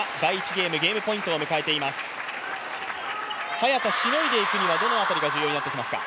早田、しのいでいくにはどの辺りが重要になっていきますか。